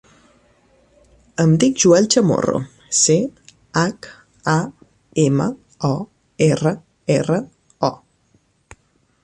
Em dic Joel Chamorro: ce, hac, a, ema, o, erra, erra, o.